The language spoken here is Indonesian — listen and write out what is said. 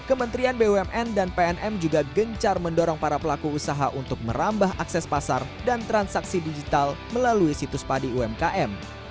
umkm juga berusaha untuk merambah akses pasar dan transaksi digital melalui situs padi umkm